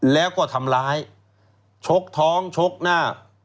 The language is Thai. แล้วก็ทำร้ายชกท้องชกหน้า